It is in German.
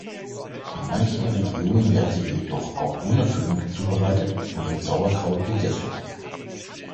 In manchen Regionen werden sie jedoch auch ohne Füllung zubereitet und mit Sauerkraut gegessen.